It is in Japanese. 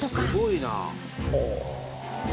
すごいな！